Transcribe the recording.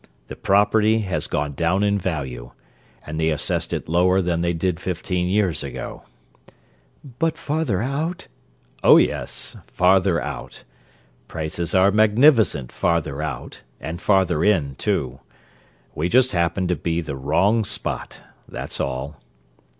"The property has gone down in value, and they assessed it lower than they did fifteen years ago." "But farther out—" "Oh, yes, 'farther out!' Prices are magnificent 'farther out,' and farther in, too! We just happen to be the wrong spot, that's all.